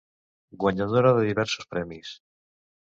Guanyadora de diversos premis.